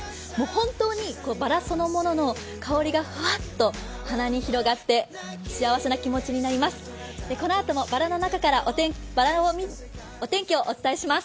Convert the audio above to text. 本当にバラそのものの香りがふわっと鼻に広がって幸せな気持ちになります。